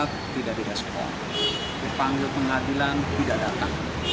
pemimpin fahri adalah pemimpin fahri dari partai keadilan sejahtera